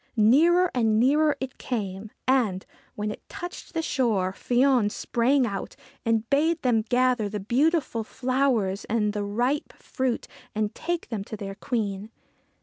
Nearer and nearer it came, and, when it touched the shore, Fion sprang out, and bade them gather the beautiful flowers and the ripe fruit and take them to their Queen.